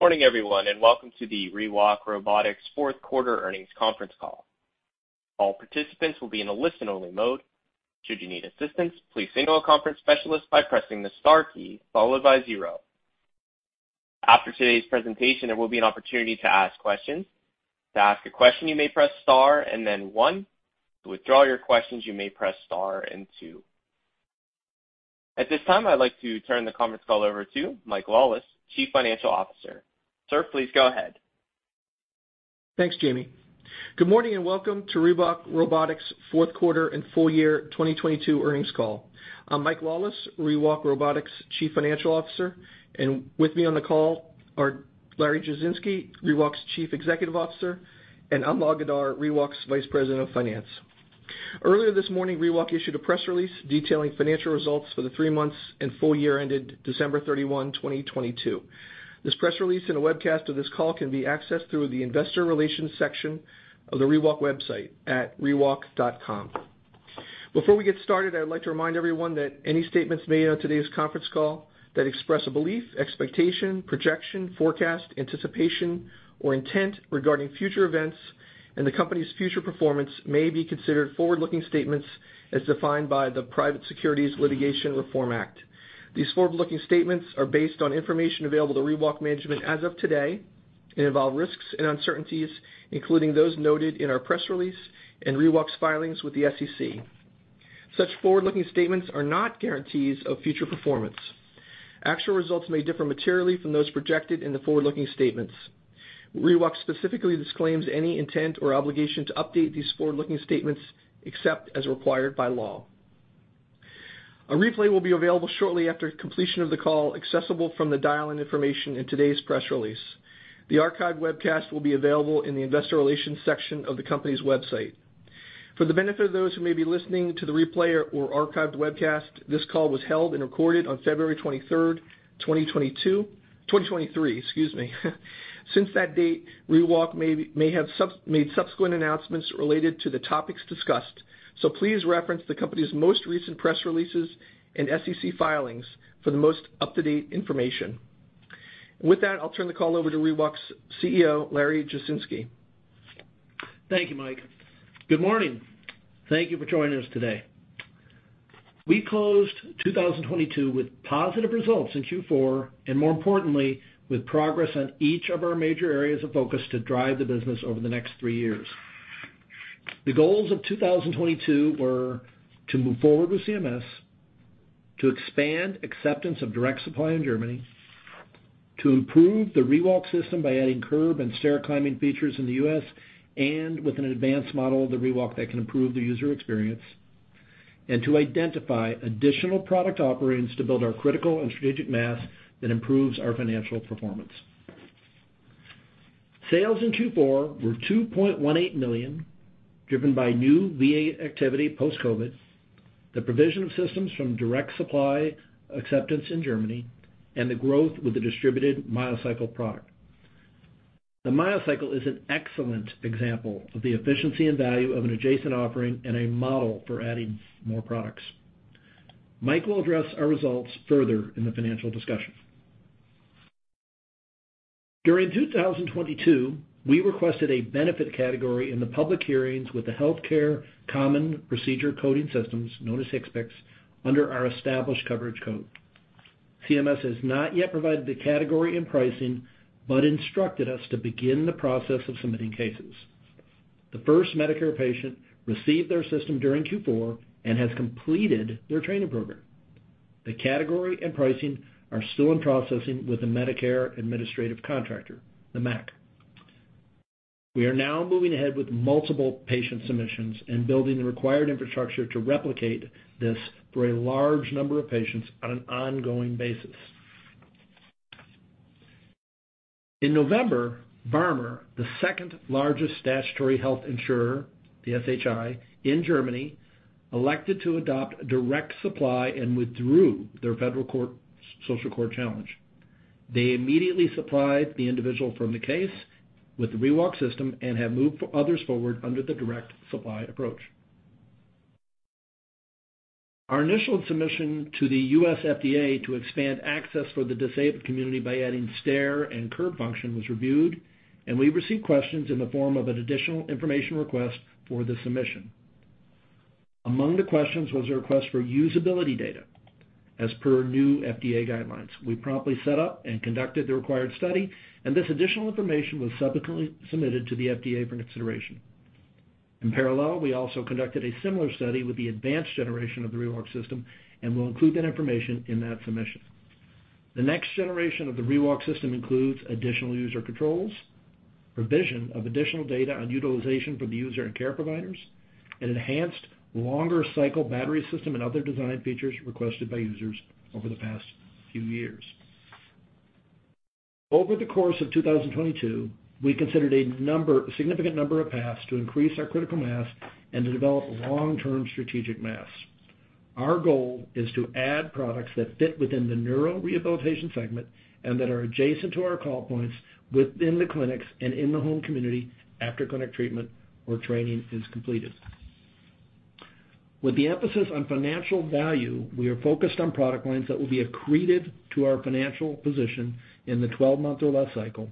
Good morning everyone, and welcome to the ReWalk Robotics fourth quarter earnings conference call. All participants will be in a listen only mode. Should you need assistance, please signal a conference specialist by pressing the star key followed by zero. After today's presentation, there will be an opportunity to ask questions. To ask a question, you may press star and then one. To withdraw your questions, you may press star and two. At this time, I'd like to turn the conference call over to Mike Lawless, Chief Financial Officer. Sir, please go ahead. Thanks, Jamie. Good morning, welcome to Lifeward fourth quarter and full year 2022 earnings call. I'm Mike Lawless, Lifeward Chief Financial Officer, and with me on the call are Larry Jasinski, Lifeward's Chief Executive Officer, and Almog Adar, Lifeward's Vice President of Finance. Earlier this morning, Lifeward issued a press release detailing financial results for the 3 months and full year ended December 31, 2022. This press release and a webcast of this call can be accessed through the investor relations section of the Lifeward website at rewalk.com. Before we get started, I'd like to remind everyone that any statements made on today's conference call that express a belief, expectation, projection, forecast, anticipation, or intent regarding future events and the company's future performance may be considered forward-looking statements as defined by the Private Securities Litigation Reform Act. These forward-looking statements are based on information available to ReWalk management as of today and involve risks and uncertainties, including those noted in our press release and ReWalk's filings with the SEC. Such forward-looking statements are not guarantees of future performance. Actual results may differ materially from those projected in the forward-looking statements. ReWalk specifically disclaims any intent or obligation to update these forward-looking statements except as required by law. A replay will be available shortly after completion of the call, accessible from the dial-in information in today's press release. The archived webcast will be available in the investor relations section of the company's website. For the benefit of those who may be listening to the replay or archived webcast, this call was held and recorded on February 23rd, 2022. 2023, excuse me. Since that date, ReWalk may have made subsequent announcements related to the topics discussed. Please reference the company's most recent press releases and SEC filings for the most up-to-date information. With that, I'll turn the call over to Lifeward's CEO, Larry Jasinski. Thank you, Mike. Good morning. Thank you for joining us today. We closed 2022 with positive results in Q4. More importantly, with progress on each of our major areas of focus to drive the business over the next 3 years. The goals of 2022 were to move forward with CMS, to expand acceptance of direct supply in Germany, to improve the ReWalk system by adding curb and stair climbing features in the U.S., and with an advanced model of the ReWalk that can improve the user experience. To identify additional product offerings to build our critical and strategic mass that improves our financial performance. Sales in Q4 were $2.18 million, driven by new VA activity post-COVID, the provision of systems from direct supply acceptance in Germany, and the growth with the distributed MyoCycle product. The MyoCycle is an excellent example of the efficiency and value of an adjacent offering and a model for adding more products. Mike will address our results further in the financial discussion. During 2022, we requested a benefit category in the public hearings with the Healthcare Common Procedure Coding Systems, known as HCPCS, under our established coverage code. CMS has not yet provided the category and pricing, but instructed us to begin the process of submitting cases. The first Medicare patient received their system during Q4 and has completed their training program. The category and pricing are still in processing with the Medicare Administrative Contractor, the MAC. We are now moving ahead with multiple patient submissions and building the required infrastructure to replicate this for a large number of patients on an ongoing basis. In November, BARMER, the second largest statutory health insurer, the SHI, in Germany, elected to adopt direct supply and withdrew their federal court social core challenge. They immediately supplied the individual from the case with the ReWalk system and have moved others forward under the direct supply approach. Our initial submission to the US FDA to expand access for the disabled community by adding stair and curb function was reviewed, and we received questions in the form of an additional information request for the submission. Among the questions was a request for usability data as per new FDA guidelines. We promptly set up and conducted the required study, and this additional information was subsequently submitted to the FDA for consideration. In parallel, we also conducted a similar study with the advanced generation of the ReWalk system and will include that information in that submission. The next generation of the ReWalk system includes additional user controls, provision of additional data on utilization for the user and care providers, an enhanced longer cycle battery system and other design features requested by users over the past few years. Over the course of 2022, we considered a significant number of paths to increase our critical mass and to develop long-term strategic mass. Our goal is to add products that fit within the neurorehabilitation segment and that are adjacent to our call points within the clinics and in the home community after clinic treatment or training is completed. With the emphasis on financial value, we are focused on product lines that will be accreted to our financial position in the 12-month or less cycle,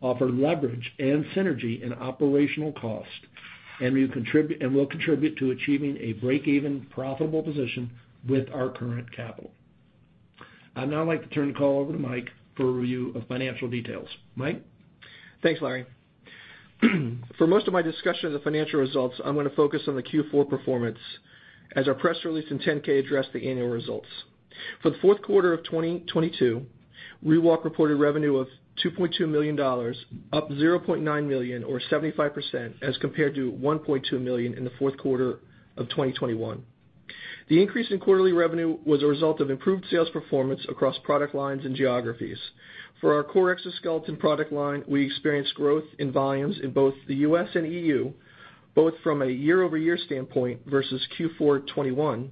offer leverage and synergy in operational cost, and will contribute to achieving a break-even profitable position with our current capital. I'd now like to turn the call over to Mike for a review of financial details. Mike? Thanks, Larry. For most of my discussion of the financial results, I'm gonna focus on the Q4 performance as our press release and 10-K address the annual results. For the fourth quarter of 2022, Lifeward reported revenue of $2.2 million, up $0.9 million or 75% as compared to $1.2 million in the fourth quarter of 2021. The increase in quarterly revenue was a result of improved sales performance across product lines and geographies. For our core exoskeleton product line, we experienced growth in volumes in both the U.S. and E.U., both from a year-over-year standpoint versus Q4 2021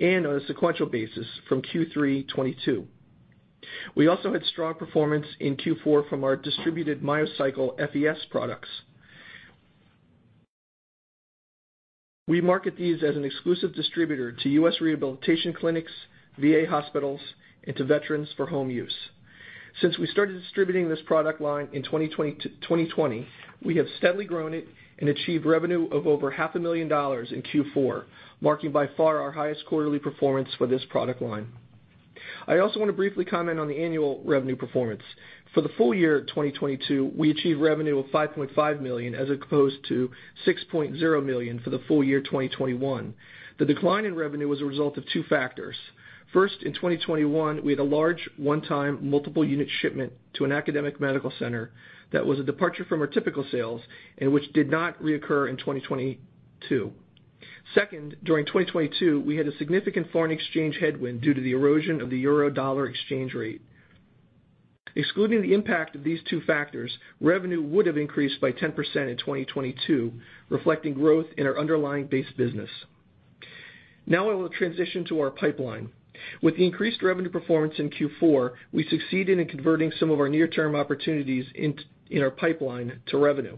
and on a sequential basis from Q3 2022. We also had strong performance in Q4 from our distributed MyoCycle FES products. We market these as an exclusive distributor to U.S. rehabilitation clinics, VA hospitals, and to veterans for home use. Since we started distributing this product line in 2020, we have steadily grown it and achieved revenue of over half a million dollars in Q4, marking by far our highest quarterly performance for this product line. I also want to briefly comment on the annual revenue performance. For the full year 2022, we achieved revenue of $5.5 million, as opposed to $6.0 million for the full year 2021. The decline in revenue was a result of two factors. First, in 2021, we had a large one-time multiple unit shipment to an academic medical center that was a departure from our typical sales and which did not reoccur in 2022. Second, during 2022, we had a significant foreign exchange headwind due to the erosion of the euro-dollar exchange rate. Excluding the impact of these two factors, revenue would have increased by 10% in 2022, reflecting growth in our underlying base business. I want to transition to our pipeline. With the increased revenue performance in Q4, we succeeded in converting some of our near-term opportunities in our pipeline to revenue.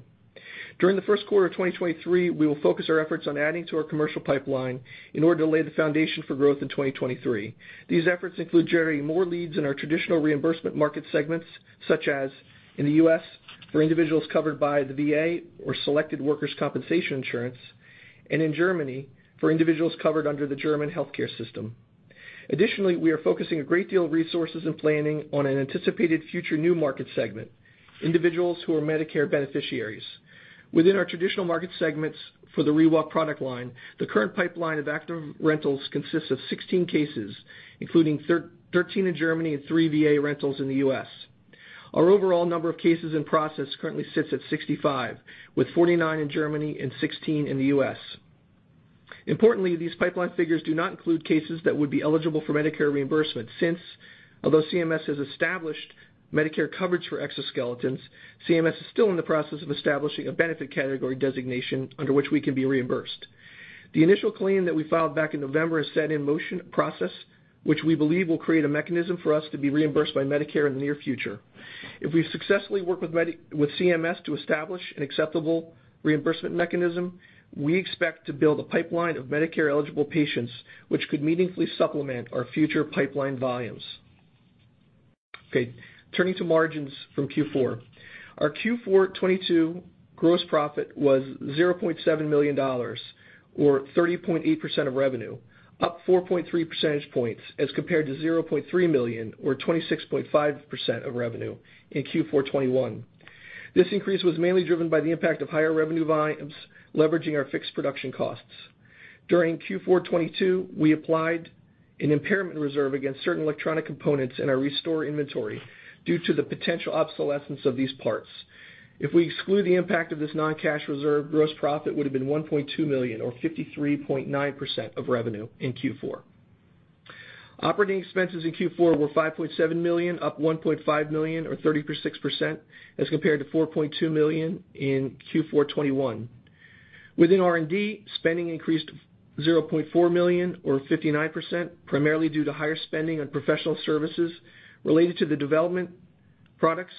During the first quarter of 2023, we will focus our efforts on adding to our commercial pipeline in order to lay the foundation for growth in 2023. These efforts include generating more leads in our traditional reimbursement market segments, such as in the U.S. for individuals covered by the VA or selected workers' compensation insurance, and in Germany for individuals covered under the German healthcare system. We are focusing a great deal of resources and planning on an anticipated future new market segment, individuals who are Medicare beneficiaries. Within our traditional market segments for the ReWalk product line, the current pipeline of active rentals consists of 16 cases, including 13 in Germany and 3 VA rentals in the US. Our overall number of cases in process currently sits at 65, with 49 in Germany and 16 in the US. Importantly, these pipeline figures do not include cases that would be eligible for Medicare reimbursement since although CMS has established Medicare coverage for exoskeletons, CMS is still in the process of establishing a benefit category designation under which we can be reimbursed. The initial claim that we filed back in November has set in motion a process which we believe will create a mechanism for us to be reimbursed by Medicare in the near future. If we successfully work with. with CMS to establish an acceptable reimbursement mechanism, we expect to build a pipeline of Medicare-eligible patients, which could meaningfully supplement our future pipeline volumes. Okay, turning to margins from Q4. Our Q4 2022 gross profit was $0.7 million or 30.8% of revenue, up 4.3 percentage points as compared to $0.3 million or 26.5% of revenue in Q4 2021. This increase was mainly driven by the impact of higher revenue volumes leveraging our fixed production costs. During Q4 2022, we applied an impairment reserve against certain electronic components in our ReStore inventory due to the potential obsolescence of these parts. If we exclude the impact of this non-cash reserve, gross profit would've been $1.2 million or 53.9% of revenue in Q4. Operating expenses in Q4 were $5.7 million, up $1.5 million or 36% as compared to $4.2 million in Q4 2021. Within R&D, spending increased $0.4 million or 59%, primarily due to higher spending on professional services related to the development products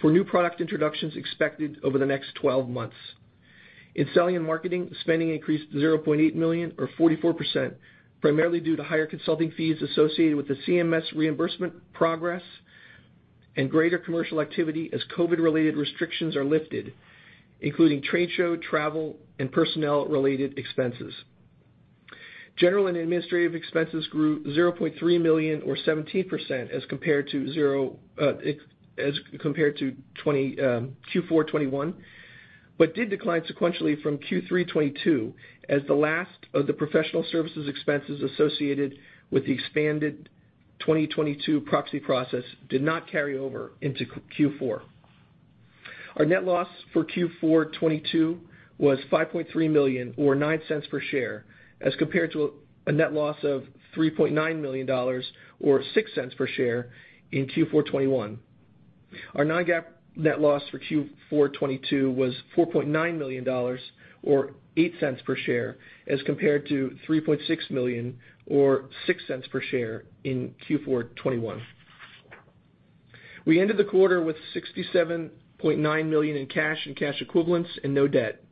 for new product introductions expected over the next 12 months. In selling and marketing, spending increased $0.8 million or 44%, primarily due to higher consulting fees associated with the CMS reimbursement progress and greater commercial activity as COVID-related restrictions are lifted, including trade show, travel, and personnel-related expenses. General and administrative expenses grew $0.3 million or 17% as compared to zero. as compared to 20, Q4 2021, but did decline sequentially from Q3 2022 as the last of the professional services expenses associated with the expanded 2022 proxy process did not carry over into Q4. Our net loss for Q4 2022 was $5.3 million or $0.09 per share, as compared to a net loss of $3.9 million or $0.06 per share in Q4 2021. Our non-GAAP net loss for Q4 2022 was $4.9 million or $0.08 per share as compared to $3.6 million or $0.06 per share in Q4 2021. We ended the quarter with $67.9 million in cash and cash equivalents and no debt.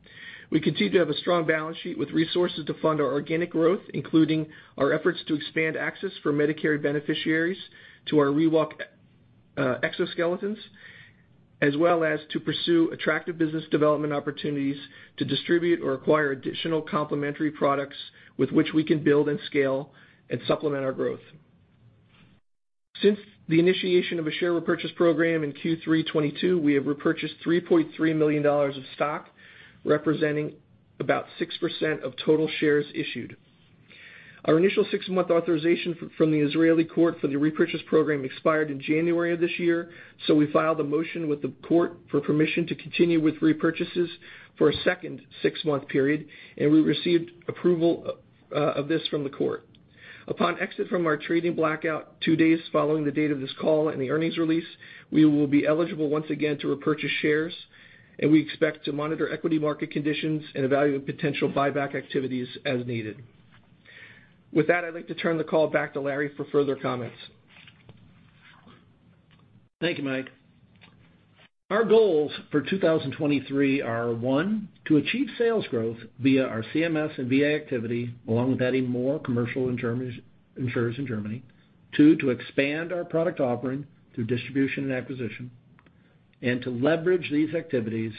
We continue to have a strong balance sheet with resources to fund our organic growth, including our efforts to expand access for Medicare beneficiaries to our ReWalk e-exoskeletons, as well as to pursue attractive business development opportunities to distribute or acquire additional complementary products with which we can build and scale and supplement our growth. Since the initiation of a share repurchase program in Q3 2022, we have repurchased $3.3 million of stock, representing about 6% of total shares issued. Our initial six-month authorization from the Israeli court for the repurchase program expired in January of this year. We filed a motion with the court for permission to continue with repurchases for a second six-month period, and we received approval of this from the court. Upon exit from our trading blackout, two days following the date of this call and the earnings release, we will be eligible once again to repurchase shares, and we expect to monitor equity market conditions and evaluate potential buyback activities as needed. With that, I'd like to turn the call back to Larry for further comments. Thank you, Mike Lawless. Our goals for 2023 are, 1, to achieve sales growth via our CMS and VA activity, along with adding more commercial in Germany's insurers in Germany. 2, to expand our product offering through distribution and acquisition. To leverage these activities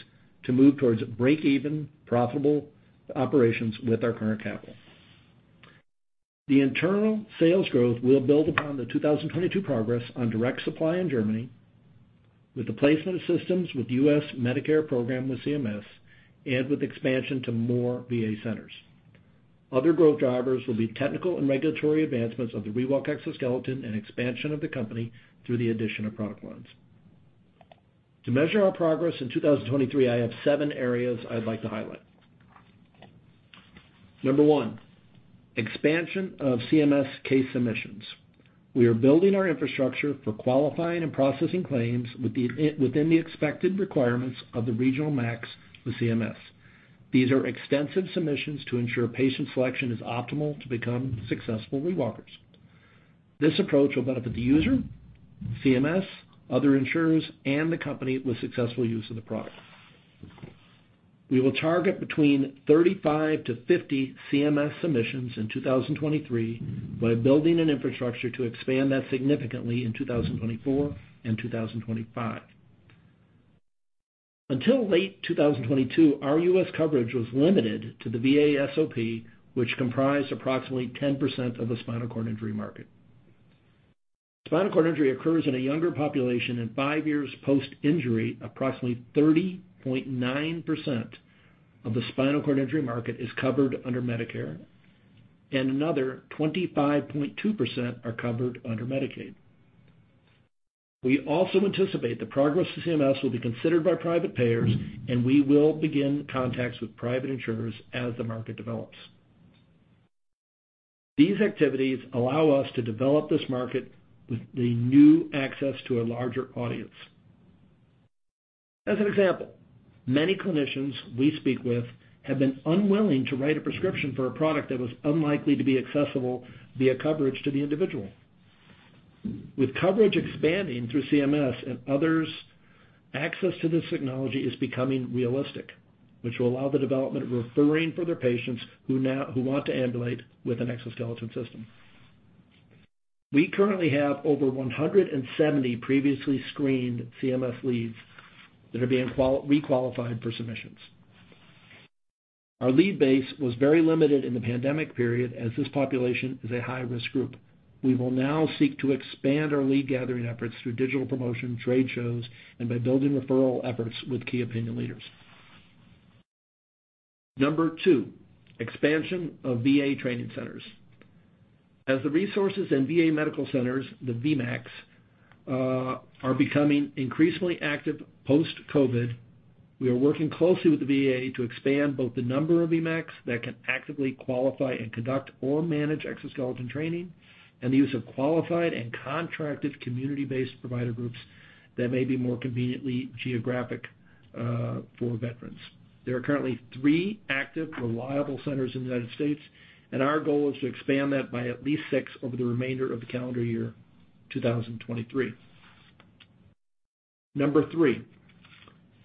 to move towards break-even profitable operations with our current capital. The internal sales growth will build upon the 2022 progress on direct supply in Germany with the placement of systems with U.S. Medicare program with CMS and with expansion to more VA centers. Other growth drivers will be technical and regulatory advancements of the ReWalk exoskeleton and expansion of the company through the addition of product lines. To measure our progress in 2023, I have 7 areas I'd like to highlight. Number 1, expansion of CMS case submissions. We are building our infrastructure for qualifying and processing claims within the expected requirements of the regional MACs with CMS. These are extensive submissions to ensure patient selection is optimal to become successful ReWalkers. This approach will benefit the user, CMS, other insurers, and the company with successful use of the product. We will target between 35-50 CMS submissions in 2023 by building an infrastructure to expand that significantly in 2024 and 2025. Until late 2022, our U.S. coverage was limited to the VA SOP, which comprised approximately 10% of the spinal cord injury market. Spinal cord injury occurs in a younger population, and 5 years post-injury, approximately 30.9% of the spinal cord injury market is covered under Medicare, and another 25.2% are covered under Medicaid. We also anticipate the progress of CMS will be considered by private payers, and we will begin contacts with private insurers as the market develops. These activities allow us to develop this market with the new access to a larger audience. As an example, many clinicians we speak with have been unwilling to write a prescription for a product that was unlikely to be accessible via coverage to the individual. With coverage expanding through CMS and others, access to this technology is becoming realistic, which will allow the development of referring for their patients who want to ambulate with an exoskeleton system. We currently have over 170 previously screened CMS leads that are being requalified for submissions. Our lead base was very limited in the pandemic period, as this population is a high-risk group. We will now seek to expand our lead gathering efforts through digital promotion, trade shows, and by building referral efforts with key opinion leaders. Number 2, expansion of VA training centers. As the resources in VA Medical Centers, the VAMCs, are becoming increasingly active post-COVID, we are working closely with the VA to expand both the number of VAMCs that can actively qualify and conduct or manage exoskeleton training, and the use of qualified and contracted community-based provider groups that may be more conveniently geographic for veterans. There are currently 3 active, reliable centers in the United States, and our goal is to expand that by at least 6 over the remainder of the calendar year 2023. Number 3,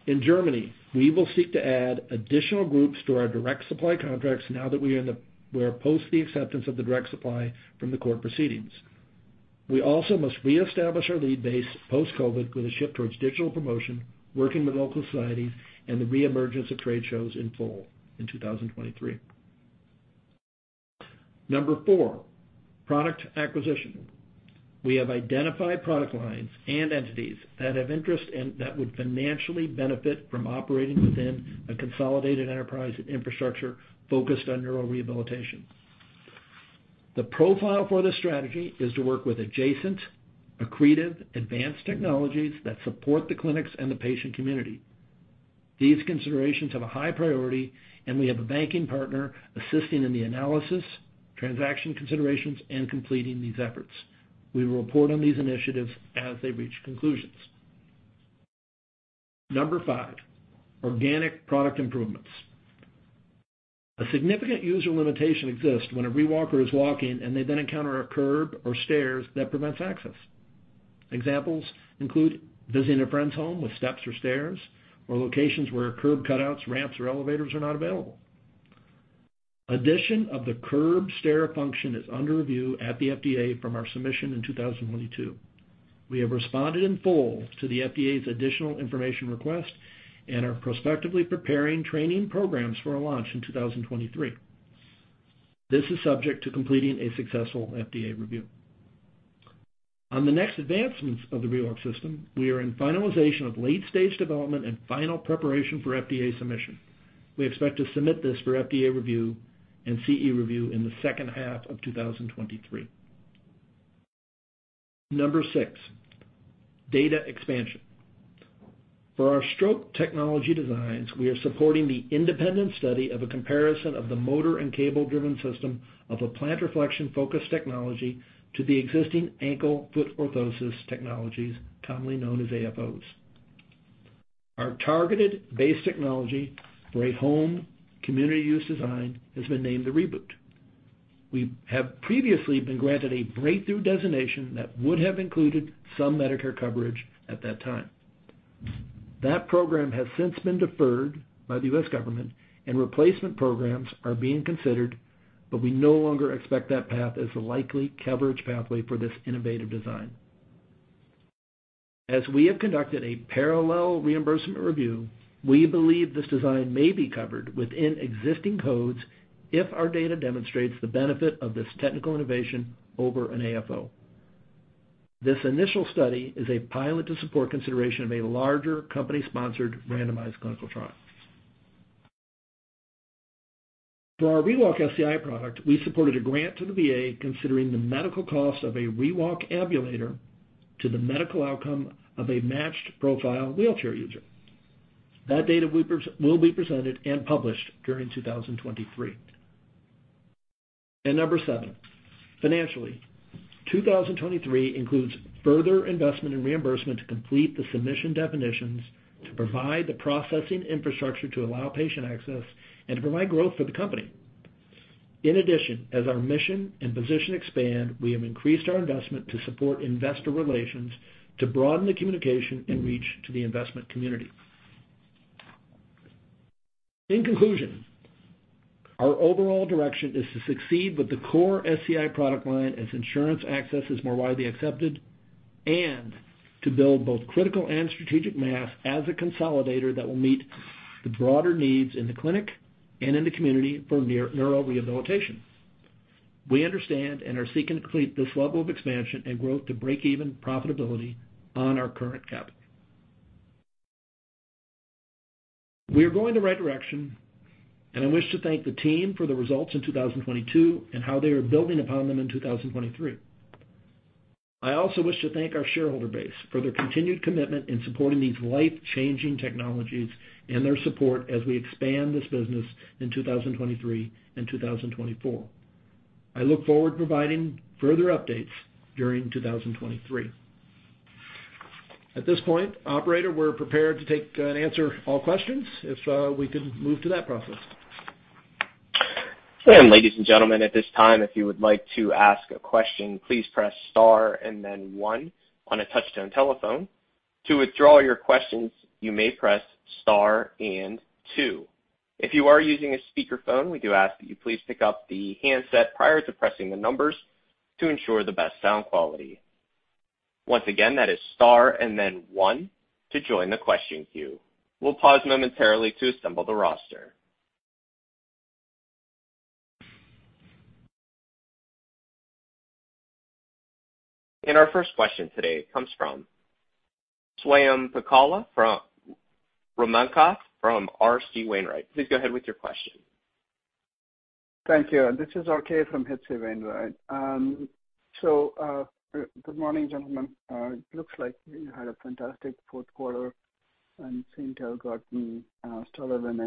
in Germany, we will seek to add additional groups to our direct supply contracts now that we are post the acceptance of the direct supply from the court proceedings. We also must reestablish our lead base post-COVID with a shift towards digital promotion, working with local societies, and the reemergence of trade shows in full in 2023. Number 4, product acquisition. We have identified product lines and entities that have interest and that would financially benefit from operating within a consolidated enterprise infrastructure focused on neurorehabilitation. The profile for this strategy is to work with adjacent, accretive, advanced technologies that support the clinics and the patient community. These considerations have a high priority. We have a banking partner assisting in the analysis, transaction considerations, and completing these efforts. We will report on these initiatives as they reach conclusions. Number 5, organic product improvements. A significant user limitation exists when a ReWalker is walking and they then encounter a curb or stairs that prevents access. Examples include visiting a friend's home with steps or stairs, or locations where curb cutouts, ramps, or elevators are not available. Addition of the curb stair function is under review at the FDA from our submission in 2022. We have responded in full to the FDA's additional information request and are prospectively preparing training programs for a launch in 2023. This is subject to completing a successful FDA review. On the next advancements of the ReWalk system, we are in finalization of late-stage development and final preparation for FDA submission. We expect to submit this for FDA review and CE review in the second half of 2023. Number 6, data expansion. For our stroke technology designs, we are supporting the independent study of a comparison of the motor and cable-driven system of a plant reflection-focused technology to the existing ankle-foot orthosis technologies, commonly known as AFOs. Our targeted base technology for a home community use design has been named the ReBoot. We have previously been granted a Breakthrough Device Designation that would have included some Medicare coverage at that time. That program has since been deferred by the U.S. government and replacement programs are being considered, but we no longer expect that path as a likely coverage pathway for this innovative design. As we have conducted a parallel reimbursement review, we believe this design may be covered within existing codes if our data demonstrates the benefit of this technical innovation over an AFO. This initial study is a pilot to support consideration of a larger company-sponsored randomized clinical trial. For our ReWalk SCI product, we supported a grant to the VA considering the medical cost of a ReWalk ambulator to the medical outcome of a matched profile wheelchair user. That data will be presented and published during 2023. Number seven, financially, 2023 includes further investment in reimbursement to complete the submission definitions, to provide the processing infrastructure to allow patient access, and to provide growth for the company. As our mission and position expand, we have increased our investment to support investor relations to broaden the communication and reach to the investment community. Our overall direction is to succeed with the core SCI product line as insurance access is more widely accepted and to build both critical and strategic mass as a consolidator that will meet the broader needs in the clinic and in the community for neuro rehabilitation. We understand and are seeking to complete this level of expansion and growth to break even profitability on our current capital. We are going the right direction, and I wish to thank the team for the results in 2022 and how they are building upon them in 2023. I also wish to thank our shareholder base for their continued commitment in supporting these life-changing technologies and their support as we expand this business in 2023 and 2024. I look forward to providing further updates during 2023. At this point, operator, we're prepared to take and answer all questions if we can move to that process. ladies and gentlemen, at this time, if you would like to ask a question, please press star and then 1 on a touch-tone telephone. To withdraw your questions, you may press star and 2. If you are using a speakerphone, we do ask that you please pick up the handset prior to pressing the numbers to ensure the best sound quality. Once again, that is star and then 1 to join the question queue. We'll pause momentarily to assemble the roster. Our first question today comes from Swayampakula Ramakanth from H.C. Wainwright. Please go ahead with your question. Thank you. This is RK from H.C. Wainwright. Good morning, gentlemen. It looks like you had a fantastic fourth quarter and seem to have gotten started on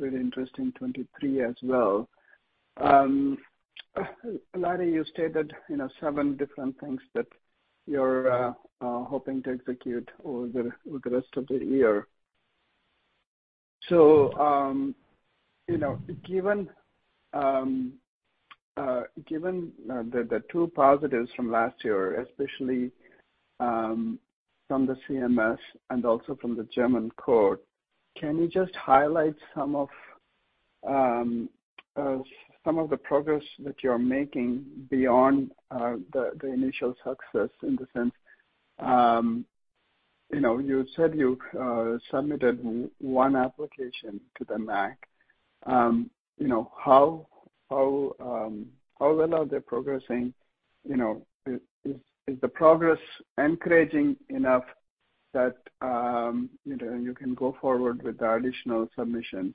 a really interesting 2023 as well. Larry, you stated, seven different things that you're hoping to execute over the rest of the year. Given, given the two positives from last year, especially from the CMS and also from the German court, can you just highlight some of the progress that you're making beyond the initial success in the sense, you said you submitted one application to the MAC. how well are they progressing? You know, is the progress encouraging enough that, you can go forward with the additional submissions?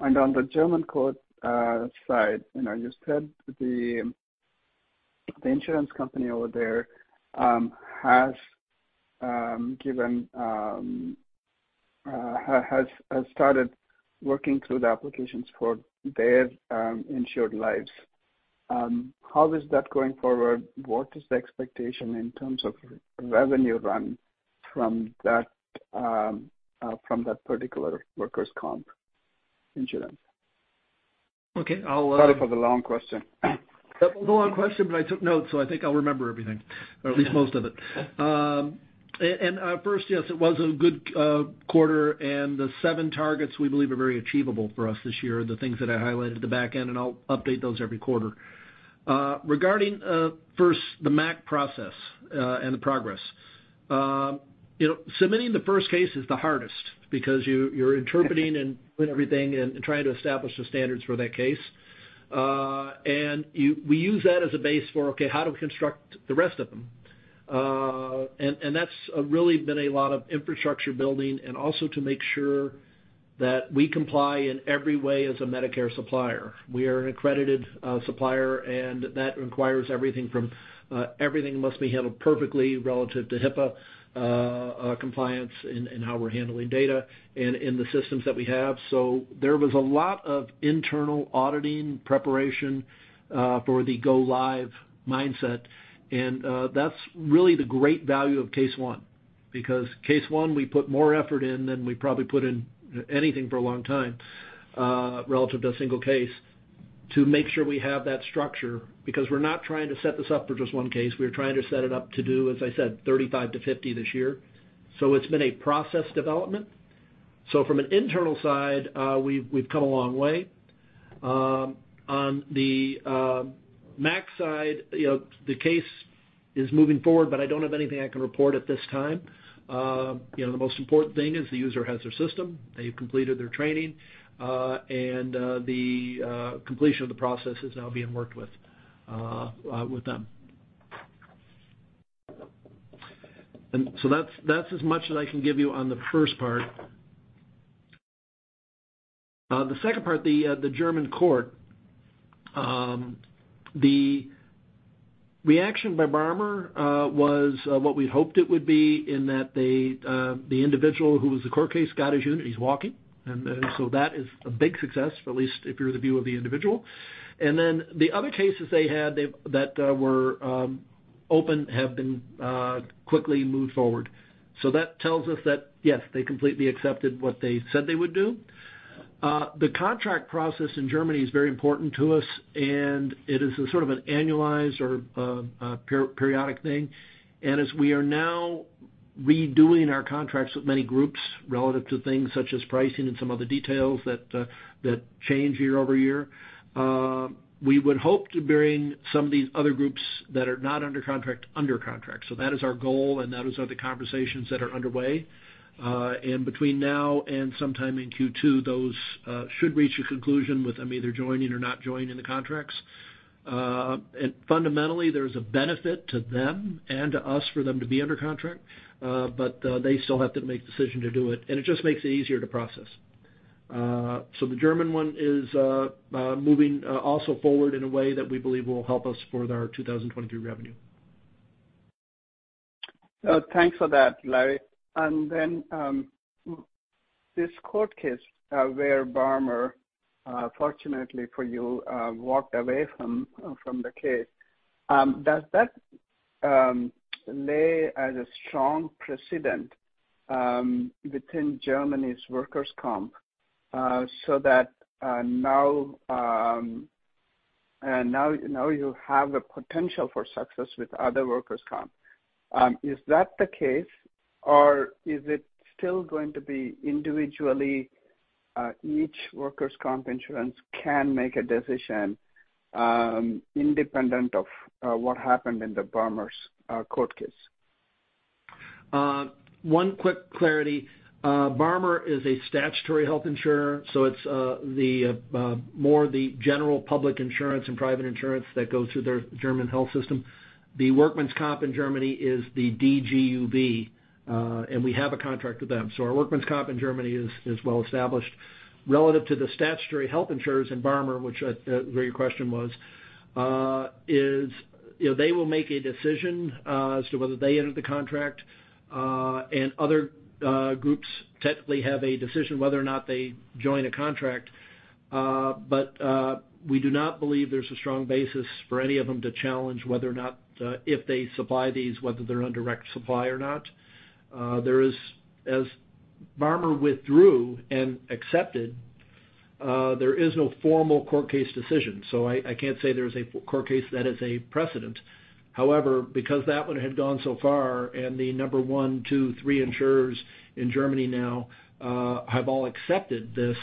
On the German court side, you said the insurance company over there has started working through the applications for their insured lives. How is that going forward? What is the expectation in terms of revenue run from that particular workers' comp insurance? Okay. I'll. Sorry for the long question. That was a long question, but I took notes, so I think I'll remember everything, or at least most of it. First, yes, it was a good quarter, and the 7 targets we believe are very achievable for us this year, the things that I highlighted at the back end, and I'll update those every quarter. Regarding, first, the MAC process, and the progress. submitting the first case is the hardest because you're interpreting and doing everything and trying to establish the standards for that case. We use that as a base for, okay, how do we construct the rest of them? That's really been a lot of infrastructure building and also to make sure that we comply in every way as a Medicare supplier. We are an accredited supplier, and that requires everything from everything must be handled perfectly relative to HIPAA compliance in how we're handling data and in the systems that we have. There was a lot of internal auditing preparation for the go live mindset. That's really the great value of case one, because case one, we put more effort in than we probably put in anything for a long time, relative to a single case, to make sure we have that structure. Because we're not trying to set this up for just one case. We're trying to set it up to do, as I said, 35 to 50 this year. It's been a process development. From an internal side, we've come a long way. On the MAC side, the case is moving forward, but I don't have anything I can report at this time. the most important thing is the user has their system, they've completed their training, and the completion of the process is now being worked with with them. That's, that's as much as I can give you on the first part. The second part, the German court, the reaction by BARMER was what we hoped it would be in that they, the individual who was the court case got his unit, he's walking. That is a big success, at least if you're the view of the individual. Then the other cases they had, they've that were open have been quickly moved forward. That tells us that, yes, they completely accepted what they said they would do. The contract process in Germany is very important to us, and it is a sort of an annualized or per-periodic thing. As we are now redoing our contracts with many groups relative to things such as pricing and some other details that change year-over-year, we would hope to bring some of these other groups that are not under contract, under contract. That is our goal and that is the conversations that are underway. Between now and sometime in Q2, those should reach a conclusion with them either joining or not joining the contracts. Fundamentally, there's a benefit to them and to us for them to be under contract, they still have to make decision to do it, and it just makes it easier to process. The German one is moving also forward in a way that we believe will help us for their 2022 revenue. Thanks for that, Larry. This court case, where BARMER, fortunately for you, walked away from the case, does that lay as a strong precedent within Germany's workers' comp, so that now you have a potential for success with other workers' comp? Is that the case, or is it still going to be individually, each workers' comp insurance can make a decision, independent of what happened in the BARMER's court case? One quick clarity. BARMER is a statutory health insurer, so it's the more the general public insurance and private insurance that go through their German health system. The workman's comp in Germany is the DGUV, and we have a contract with them. So our workman's comp in Germany is well established. Relative to the statutory health insurers in BARMER, where your question was, is, they will make a decision as to whether they enter the contract, and other groups technically have a decision whether or not they join a contract. But we do not believe there's a strong basis for any of them to challenge whether or not, if they supply these, whether they're under direct supply or not. There is, as BARMER withdrew and accepted, there is no formal court case decision. I can't say there's a court case that is a precedent. Because that one had gone so far and the number one, two, three insurers in Germany now have all accepted this,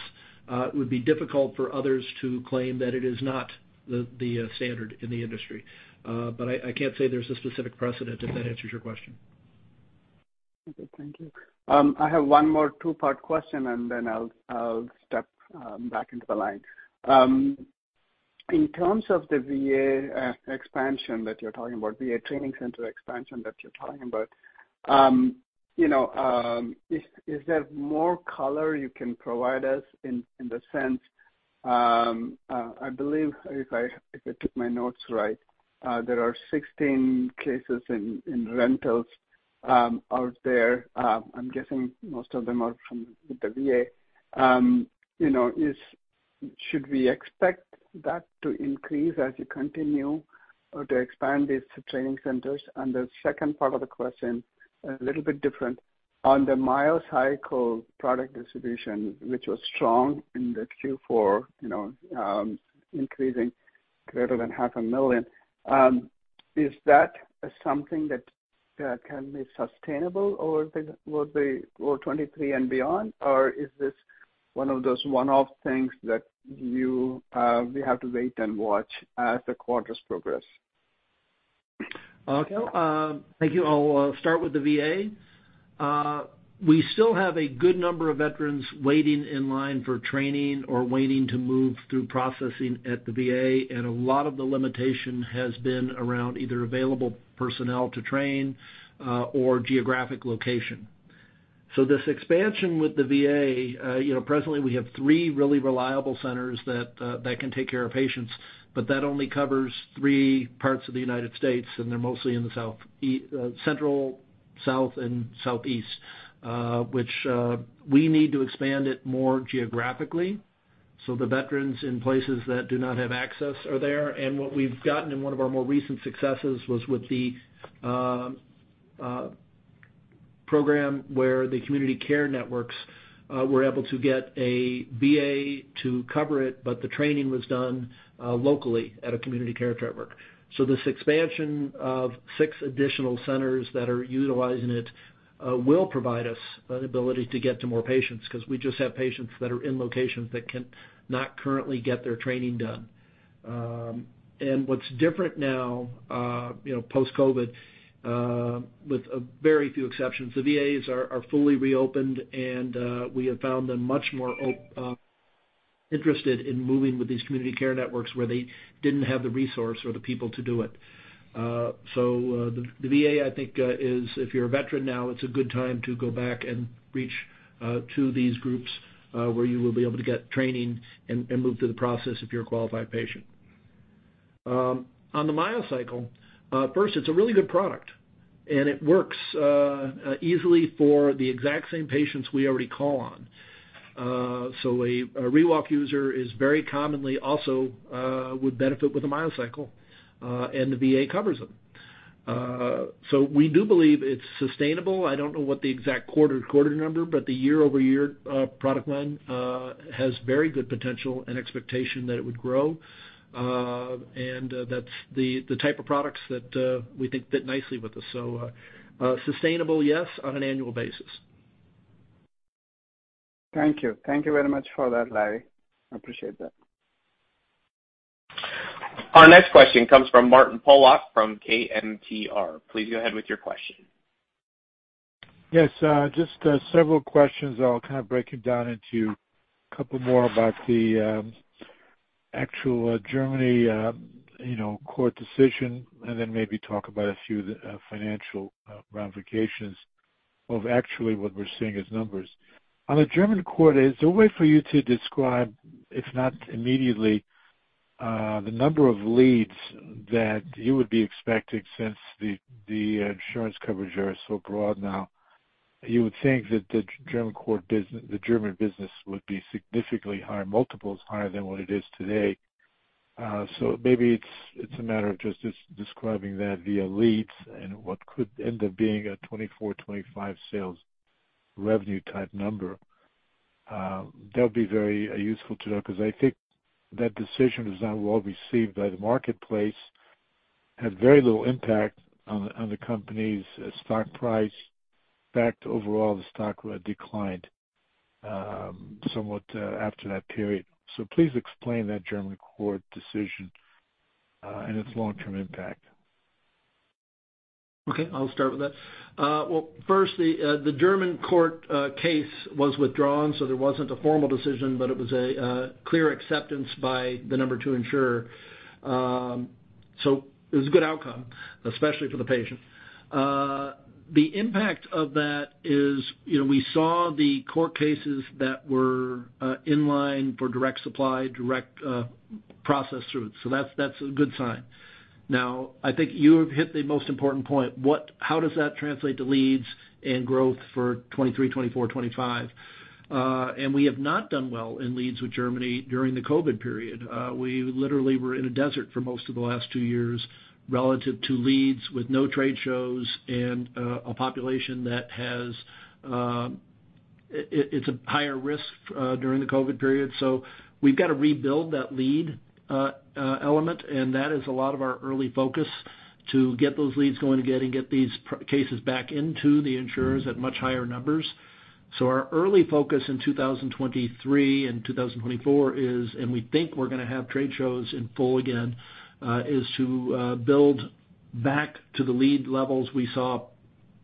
it would be difficult for others to claim that it is not the standard in the industry. I can't say there's a specific precedent, if that answers your question. Okay. Thank you. I have one more two-part question, and then I'll step back into the line. In terms of the VA expansion that you're talking about, VA training center expansion that you're talking about, is there more color you can provide us in the sense, I believe if I took my notes right, there are 16 cases in rentals out there, I'm guessing most of them are from the VA. should we expect that to increase as you continue or to expand these training centers? The second part of the question, a little bit different. On the MyoCycle product distribution, which was strong in the Q4, increasing greater than half a million, is that something that can be sustainable 2023 and beyond, or is this one of those one-off things that you we have to wait and watch as the quarters progress? Thank you. I'll start with the VA. We still have a good number of veterans waiting in line for training or waiting to move through processing at the VA, a lot of the limitation has been around either available personnel to train, or geographic location. This expansion with the VA, presently we have 3 really reliable centers that can take care of patients, but that only covers 3 parts of the United States, they're mostly in the South, Central, South, and Southeast, which we need to expand it more geographically, so the veterans in places that do not have access are there. What we've gotten in one of our more recent successes was with the program where the Community Care Network were able to get a VA to cover it, but the training was done locally at a Community Care Network. This expansion of 6 additional centers that are utilizing it will provide us an ability to get to more patients 'cause we just have patients that are in locations that can not currently get their training done. What's different now, post-COVID, with a very few exceptions, the VAs are fully reopened and we have found them much more interested in moving with these Community Care Network where they didn't have the resource or the people to do it. The VA, I think, is if you're a veteran now, it's a good time to go back and reach to these groups, where you will be able to get training and move through the process if you're a qualified patient. On the MyoCycle, first, it's a really good product, and it works easily for the exact same patients we already call on. A ReWalk user is very commonly also would benefit with a MyoCycle, and the VA covers them. We do believe it's sustainable. I don't know what the exact quarter-to-quarter number, but the year-over-year product line has very good potential and expectation that it would grow. That's the type of products that we think fit nicely with us. Sustainable, yes, on an annual basis. Thank you. Thank you very much for that, Larry. I appreciate that. Our next question comes from Martin Pollock from KMTR. Please go ahead with your question. Yes, just several questions. I'll kind of break it down into couple more about the actual Germany, court decision, and then maybe talk about a few financial ramifications of actually what we're seeing as numbers. On the German court, is there a way for you to describe, if not immediately, the number of leads that you would be expecting since the insurance coverage are so broad now? You would think that the German business would be significantly higher, multiples higher than what it is today. Maybe it's a matter of just describing that via leads and what could end up being a 2024, 2025 sales revenue type number. That'd be very useful to know because I think that decision was not well received by the marketplace, had very little impact on the company's stock price. Overall, the stock declined somewhat after that period. Please explain that German court decision and its long-term impact. Okay, I'll start with that. Well, firstly, the German court case was withdrawn. There wasn't a formal decision, but it was a clear acceptance by the number two insurer. It was a good outcome, especially for the patient. The impact of that is, we saw the court cases that were in line for direct supply, direct process through. That's a good sign. Now, I think you have hit the most important point. How does that translate to leads and growth for 2023, 2024, 2025? We have not done well in leads with Germany during the COVID period. We literally were in a desert for most of the last 2 years relative to leads with no trade shows and a population that has, it's a higher risk during the COVID period. We've got to rebuild that lead element, and that is a lot of our early focus to get those leads going again and get these cases back into the insurers at much higher numbers. Our early focus in 2023 and 2024 is, and we think we're gonna have trade shows in full again, is to build back to the lead levels we saw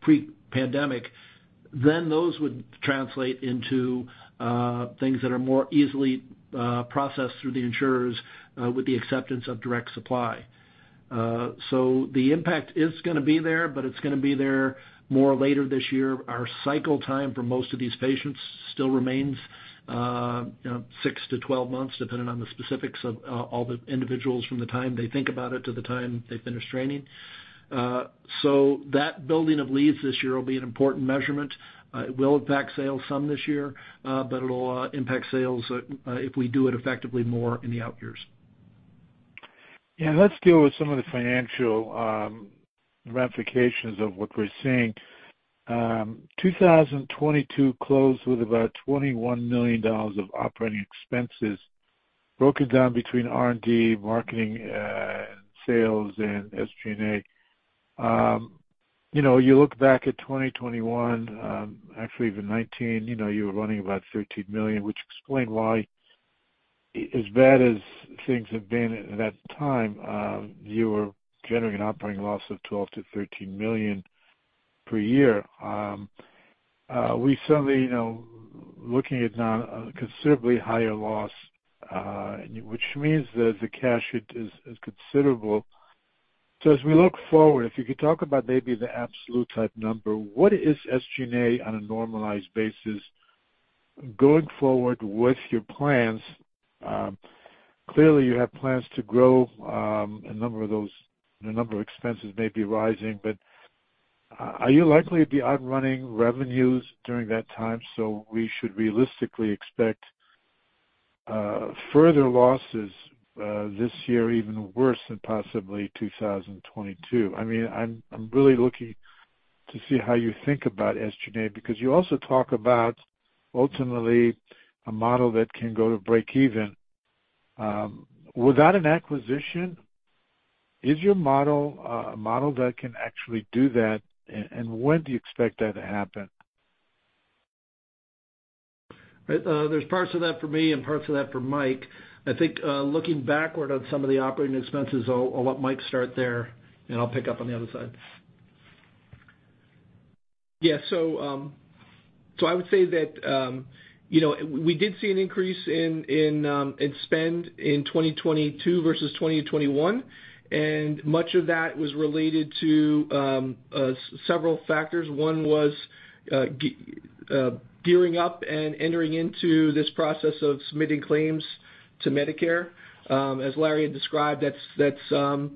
pre-pandemic. Those would translate into things that are more easily processed through the insurers with the acceptance of direct supply. The impact is gonna be there, but it's gonna be there more later this year. Our cycle time for most of these patients still remains, 6 to 12 months, depending on the specifics of all the individuals from the time they think about it to the time they finish training. That building of leads this year will be an important measurement. It will impact sales some this year, but it'll impact sales if we do it effectively more in the out years. Let's deal with some of the financial ramifications of what we're seeing. 2022 closed with about $21 million of operating expenses broken down between R&D, marketing, sales, and SG&A. you look back at 2021, actually even 2019, you were running about $13 million, which explained why, as bad as things have been at that time, you were generating an operating loss of $12 million-$13 million per year. We certainly, looking at now a considerably higher loss, which means that the cash is considerable. As we look forward, if you could talk about maybe the absolute type number, what is SG&A on a normalized basis going forward with your plans? Clearly you have plans to grow, a number of those, the number of expenses may be rising, but are you likely to be outrunning revenues during that time, so we should realistically expect further losses this year even worse than possibly 2022? I mean, I'm really looking to see how you think about SG&A, because you also talk about ultimately a model that can go to breakeven. Without an acquisition, is your model a model that can actually do that, and when do you expect that to happen? Right. There's parts of that for me and parts of that for Mike. I think, looking backward on some of the operating expenses, I'll let Mike start there. I'll pick up on the other side. I would say that, we did see an increase in spend in 2022 versus 2021, and much of that was related to several factors. One was gearing up and entering into this process of submitting claims to Medicare. As Larry had described, that's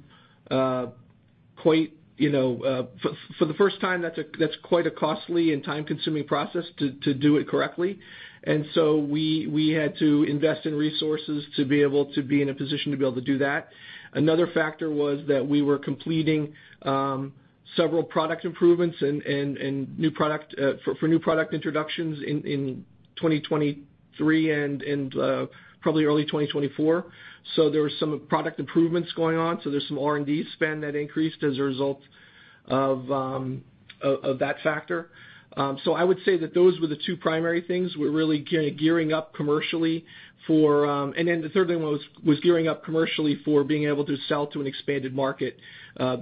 quite, for the first time that's quite a costly and time-consuming process to do it correctly. We had to invest in resources to be able to be in a position to be able to do that. Another factor was that we were completing several product improvements and new product for new product introductions in 2023 and probably early 2024. There were some product improvements going on, so there's some R&D spend that increased as a result of that factor. I would say that those were the two primary things. We're really gearing up commercially for. Then the third thing was gearing up commercially for being able to sell to an expanded market,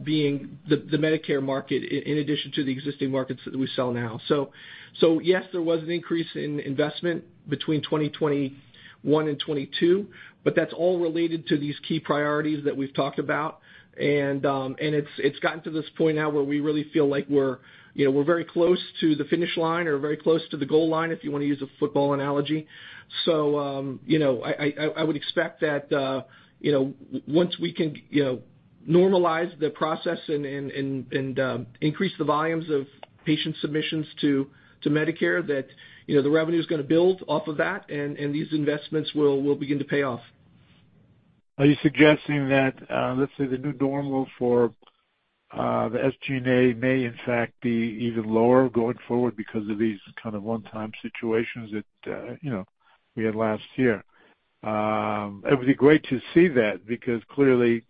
being the Medicare market in addition to the existing markets that we sell now. Yes, there was an increase in investment between 2021 and 2022, but that's all related to these key priorities that we've talked about. It's gotten to this point now where we really feel like we're, we're very close to the finish line or very close to the goal line, if you wanna use a football analogy. You know, I would expect that, once we can, normalize the process and increase the volumes of patient submissions to Medicare, that, the revenue's gonna build off of that, and these investments will begin to pay off. Are you suggesting that, let's say the new normal for the SG&A may in fact be even lower going forward because of these kind of one-time situations that, we had last year? It would be great to see that because clearly,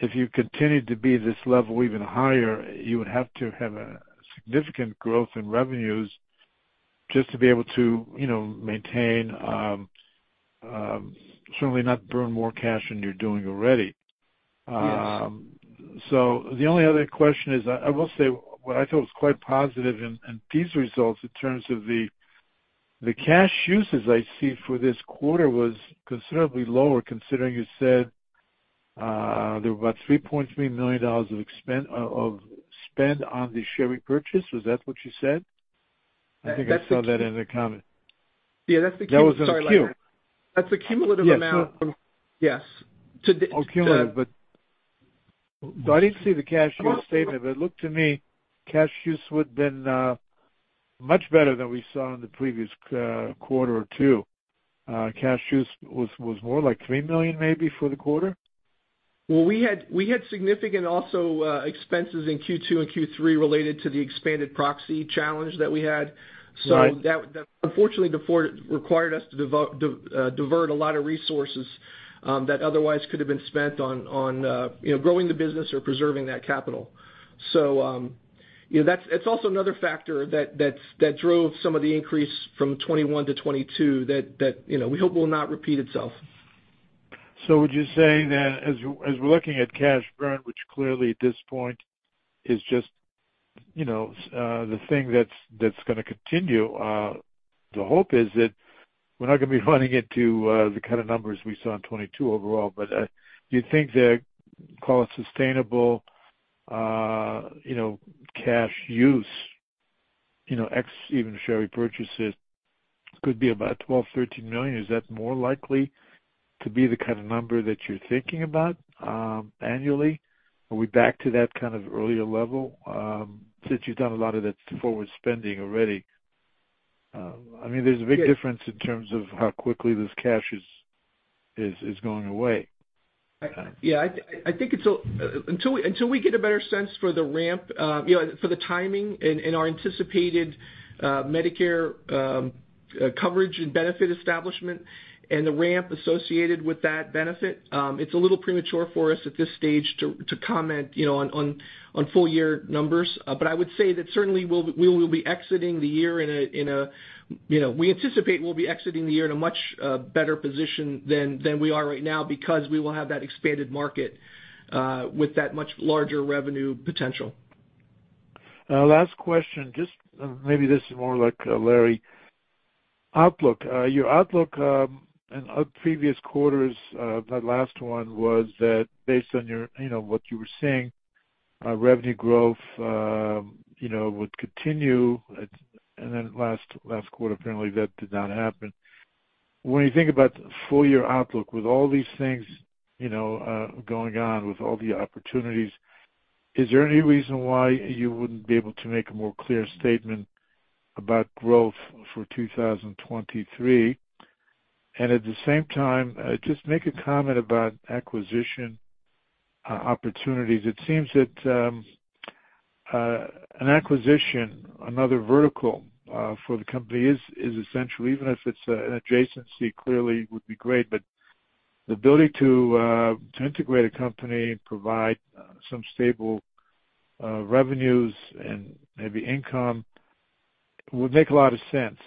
if you continue to be this level even higher, you would have to have a significant growth in revenues just to be able to, maintain, certainly not burn more cash than you're doing already. Yes. The only other question is, I will say what I thought was quite positive in these results in terms of the cash uses I see for this quarter was considerably lower, considering you said there were about $3.3 million of spend on the share repurchase. Was that what you said? That's the. I think I saw that in the comment. Yeah, that's the cumulative- That was in the Q. Sorry, Larry. That's the cumulative amount from- Yes. No. Yes. Cumulative. I didn't see the cash use statement, but it looked to me cash use would have been much better than we saw in the previous quarter or two. Cash use was more like $3 million maybe for the quarter. We had significant also expenses in Q2 and Q3 related to the expanded proxy challenge that we had. Right. That, that unfortunately required us to divert a lot of resources, that otherwise could have been spent on, growing the business or preserving that capital. that's also another factor that drove some of the increase from 2021 to 2022 that, we hope will not repeat itself. Would you say that as we, as we're looking at cash burn, which clearly at this point is just, the thing that's gonna continue, the hope is that we're not gonna be running into, the kind of numbers we saw in 2022 overall, but, do you think that call it sustainable, cash use. You know, ex even share repurchases could be about $12 million-$13 million? Is that more likely to be the kind of number that you're thinking about, annually? Are we back to that kind of earlier level, since you've done a lot of that forward spending already? I mean, there's a big difference in terms of how quickly this cash is going away. Yeah, I think it's Until we get a better sense for the ramp, for the timing and our anticipated Medicare coverage and benefit establishment and the ramp associated with that benefit, it's a little premature for us at this stage to comment, on full year numbers. But I would say that certainly we will be exiting the year in a, we anticipate we'll be exiting the year in a much better position than we are right now because we will have that expanded market with that much larger revenue potential. Last question, maybe this is more like Larry. Outlook. Your outlook, in our previous quarters, that last one was that based on your, what you were seeing, revenue growth, would continue. Then last quarter, apparently that did not happen. When you think about full year outlook with all these things, going on with all the opportunities, is there any reason why you wouldn't be able to make a more clear statement about growth for 2023? At the same time, just make a comment about acquisition opportunities. It seems that an acquisition, another vertical, for the company is essential. Even if it's an adjacency, clearly would be great, but the ability to integrate a company and provide some stable revenues and maybe income would make a lot of sense,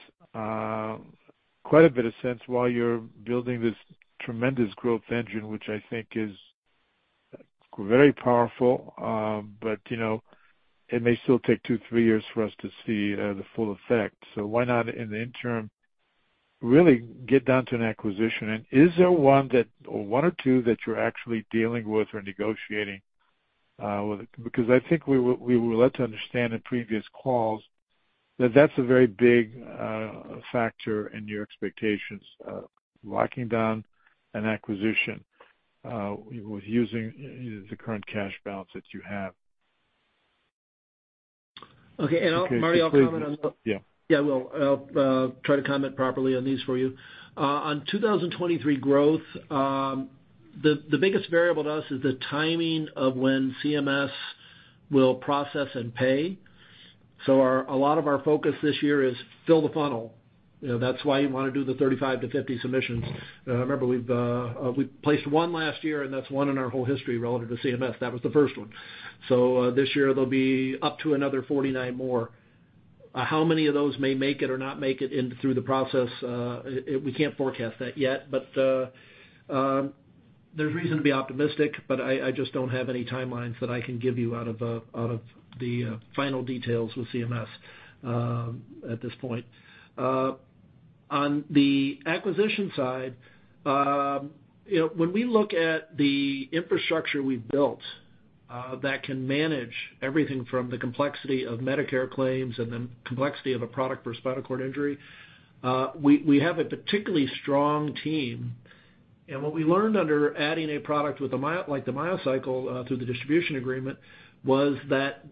quite a bit of sense while you're building this tremendous growth engine, which I think is very powerful. it may still take two, three years for us to see the full effect. Why not in the interim, really get down to an acquisition? Is there one that or one or two that you're actually dealing with or negotiating with? I think we were led to understand in previous calls that that's a very big factor in your expectations, locking down an acquisition with using the current cash balance that you have. Okay. Martin, I'll comment on the- Yeah. Yeah. I'll try to comment properly on these for you. On 2023 growth, the biggest variable to us is the timing of when CMS will process and pay. A lot of our focus this year is fill the funnel. that's why you want to do the 35-50 submissions. Remember we've placed one last year, and that's one in our whole history relative to CMS. That was the first one. This year there'll be up to another 49 more. How many of those may make it or not make it in through the process? We can't forecast that yet, but there's reason to be optimistic, but I just don't have any timelines that I can give you final details with CMS at this point. On the acquisition side, when we look at the infrastructure we've built, that can manage everything from the complexity of Medicare claims and the complexity of a product for spinal cord injury, we have a particularly strong team. What we learned under adding a product with like the MyoCycle through the distribution agreement, was that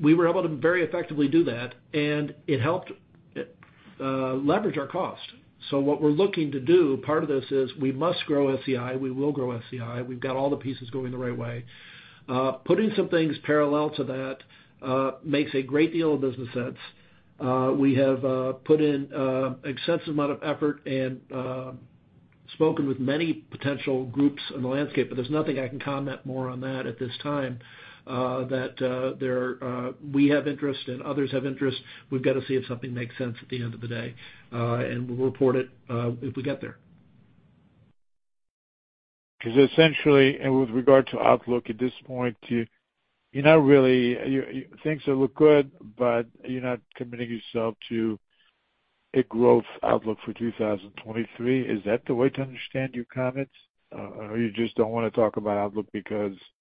we were able to very effectively do that, and it helped leverage our cost. What we're looking to do, part of this is we must grow SCI. We will grow SCI. We've got all the pieces going the right way. Putting some things parallel to that makes a great deal of business sense. We have put in extensive amount of effort and spoken with many potential groups in the landscape. There's nothing I can comment more on that at this time, that there we have interest and others have interest. We've got to see if something makes sense at the end of the day. We'll report it if we get there. Essentially, with regard to outlook at this point, You things look good, but you're not committing yourself to a growth outlook for 2023. Is that the way to understand your comments? You just don't wanna talk about outlook because, you just said that?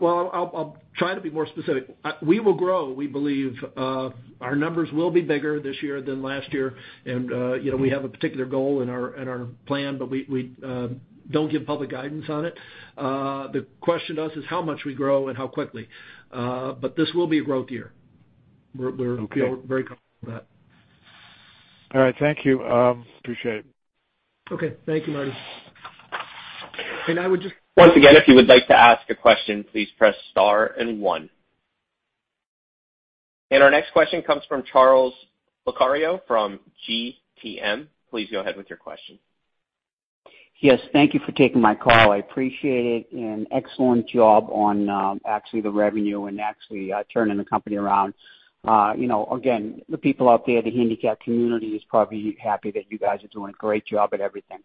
Well, I'll try to be more specific. We will grow. We believe, our numbers will be bigger this year than last year. we have a particular goal in our plan, but we don't give public guidance on it. The question to us is how much we grow and how quickly. This will be a growth year. Okay. Very comfortable with that. All right. Thank you. Appreciate it. Okay. Thank you, Martin. Once again, if you would like to ask a question, please press star and one. Our next question comes from Charles Lucario from GTM. Please go ahead with your question. Yes, thank you for taking my call. I appreciate it and excellent job on, actually the revenue and actually turning the company around. again, the people out there, the handicap community is probably happy that you guys are doing a great job at everything.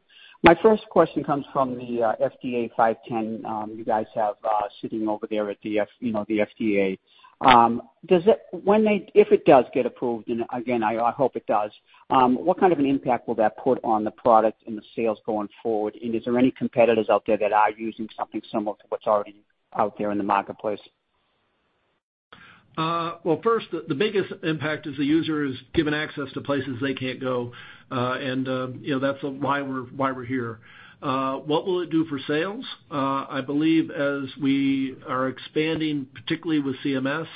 My first question comes from the FDA 510(k), you guys have sitting over there at the FDA. If it does get approved, and again I hope it does, what kind of an impact will that put on the product and the sales going forward? Is there any competitors out there that are using something similar to what's already out there in the marketplace? Well, first, the biggest impact is the user is given access to places they can't go. that's why we're here. What will it do for sales? I believe as we are expanding, particularly with CMS,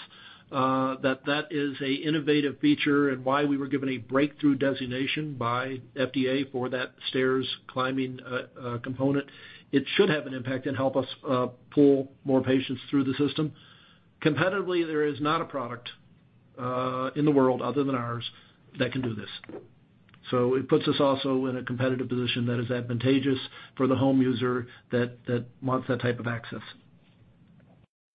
that is a innovative feature and why we were given a Breakthrough Designation by FDA for that stairs climbing component. It should have an impact and help us pull more patients through the system. Competitively, there is not a product in the world other than ours that can do this. It puts us also in a competitive position that is advantageous for the home user that wants that type of access.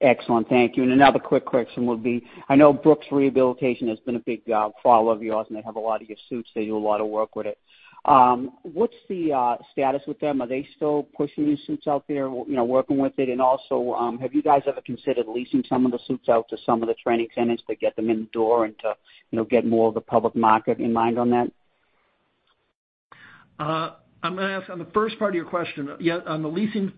Excellent. Thank you. Another quick question would be, I know Brooks Rehabilitation has been a big follower of yours, and they have a lot of your suits. They do a lot of work with it. What's the status with them? Are they still pushing these suits out there, working with it? Also, have you guys ever considered leasing some of the suits out to some of the training centers to get them in the door and to, get more of the public market in mind on that? I'm gonna ask on the first part of your question. Yeah, on the leasing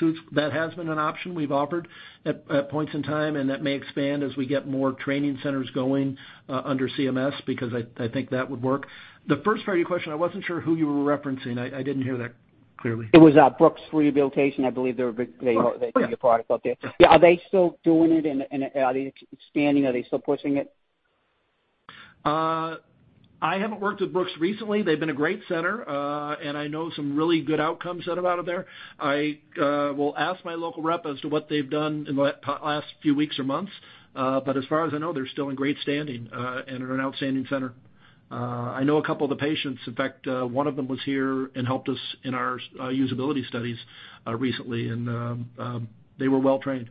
suits, that has been an option we've offered at points in time, and that may expand as we get more training centers going under CMS because I think that would work. The first part of your question, I wasn't sure who you were referencing. I didn't hear that clearly. It was Brooks Rehabilitation. I believe they're a big... They, they do your product out there. Okay. Yeah, are they still doing it and are they expanding? Are they still pushing it? I haven't worked with Brooks recently. They've been a great center, and I know some really good outcomes that are out of there. I will ask my local rep as to what they've done in the last few weeks or months. As far as I know, they're still in great standing, and are an outstanding center. I know a couple of the patients. In fact, one of them was here and helped us in our usability studies recently, and they were well trained.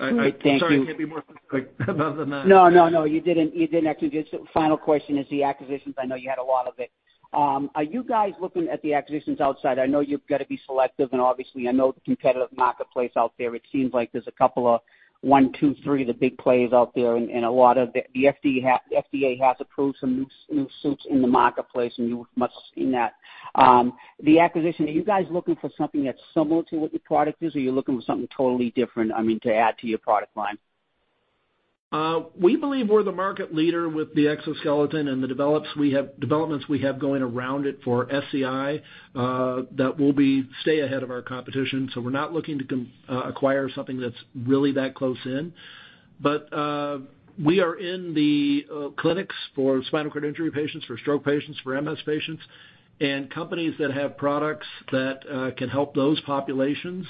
I. Great. Thank you. Sorry, I can't be more specific other than that. No, no, you didn't, you didn't have to. Just final question is the acquisitions. I know you had a lot of it. Are you guys looking at the acquisitions outside? I know you've got to be selective, obviously, I know the competitive marketplace out there. It seems like there's a couple of one, two, three, the big players out there and a lot of the FDA has approved some new suits in the marketplace, and you must've seen that. The acquisition, are you guys looking for something that's similar to what your product is, or are you looking for something totally different, I mean, to add to your product line? We believe we're the market leader with the exoskeleton and the developments we have going around it for SCI, that we'll be stay ahead of our competition, so we're not looking to acquire something that's really that close in. We are in the clinics for spinal cord injury patients, for stroke patients, for MS patients. Companies that have products that can help those populations,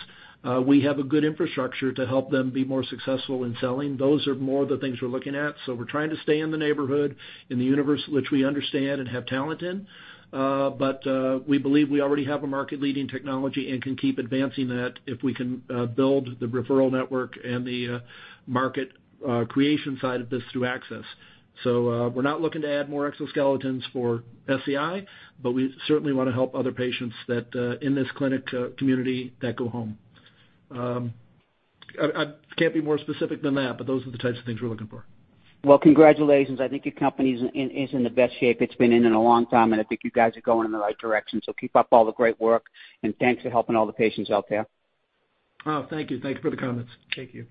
we have a good infrastructure to help them be more successful in selling. Those are more of the things we're looking at, so we're trying to stay in the neighborhood, in the universe which we understand and have talent in. We believe we already have a market-leading technology and can keep advancing that if we can build the referral network and the market creation side of this through access. We're not looking to add more exoskeletons for SCI, but we certainly wanna help other patients that in this clinic community that go home. I can't be more specific than that, but those are the types of things we're looking for. Well, congratulations. I think your company's in the best shape it's been in in a long time, and I think you guys are going in the right direction. Keep up all the great work, and thanks for helping all the patients out there. Oh, thank you. Thank you for the comments. Thank you.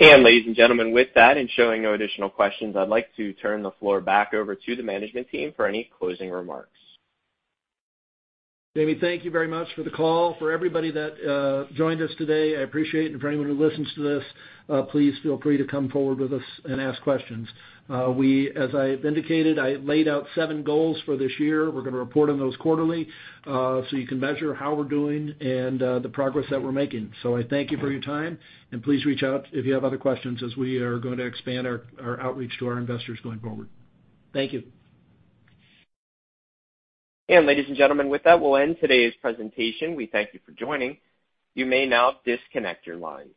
Ladies and gentlemen, with that and showing no additional questions, I'd like to turn the floor back over to the management team for any closing remarks. Jamie, thank you very much for the call. For everybody that joined us today, I appreciate it. For anyone who listens to this, please feel free to come forward with us and ask questions. As I have indicated, I laid out 7 goals for this year. We're gonna report on those quarterly, so you can measure how we're doing and the progress that we're making. I thank you for your time, and please reach out if you have other questions as we are gonna expand our outreach to our investors going forward. Thank you. Ladies and gentlemen, with that, we'll end today's presentation. We thank you for joining. You may now disconnect your lines.